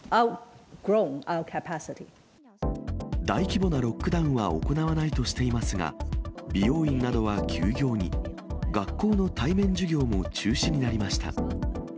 大規模なロックダウンは行わないとしていますが、美容院などは休業に、学校の対面授業も中止になりました。